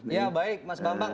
ya baik mas bambang